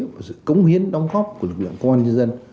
và sự cống hiến đóng góp của lực lượng công an nhân dân